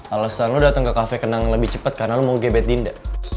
alasan lo dateng ke kafe kenangan lebih cepet karena lo mau gebet dinda